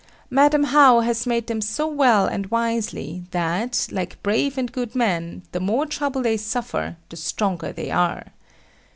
Madam How has made them so well and wisely, that, like brave and good men, the more trouble they suffer the stronger they are.